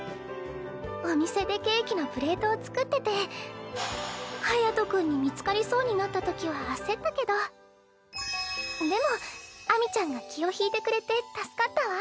お店でケーキのプレートを作ってて隼君に見つかりそうになったときは焦ったけどでも秋水ちゃんが気を引いてくれて助かったわ。